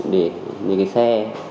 để lên cái xe